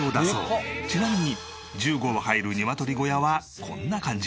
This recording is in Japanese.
ちなみに１５羽入るニワトリ小屋はこんな感じ。